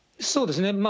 そうですね。